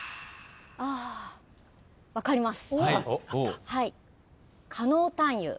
あ分かります。